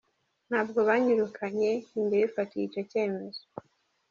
Ntabwo banyirukanye ninjye wifatiye icyo cyemezo.